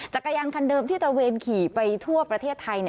จักรยานคันเดิมที่ตระเวนขี่ไปทั่วประเทศไทย